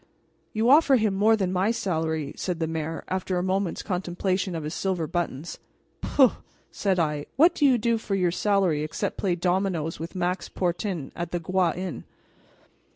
"You offer him more than my salary," said the mayor, after a moment's contemplation of his silver buttons. "Pooh!" said I, "what do you do for your salary except play dominoes with Max Portin at the Groix Inn?"